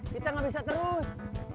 kita gak bisa terus